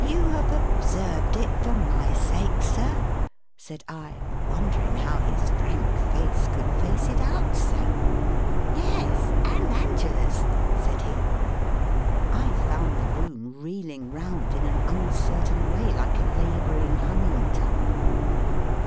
"You have observed it for my sake, sir?" said I, wondering how his frank face could face it out so. "Yes! and Angela's," said he. I found the room reeling round in an uncertain way, like a labouring, humming top.